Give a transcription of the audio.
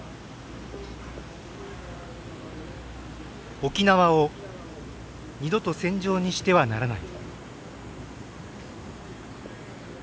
「沖縄を二度と戦場にしてはならない。」